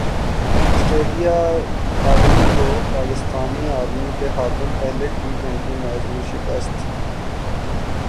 سٹریلیا رمی کو پاکستان رمی کے ہاتھوں پہلے ٹی ٹوئنٹی میچ میں شکست